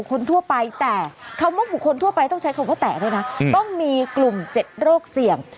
คนทั่วไปแต่คำว่าบุคคลทั่วไปต้องใช้คำว่าแตะด้วยนะต้องมีกลุ่ม๗โรคเสี่ยง